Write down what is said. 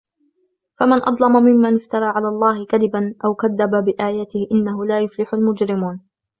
فمن أظلم ممن افترى على الله كذبا أو كذب بآياته إنه لا يفلح المجرمون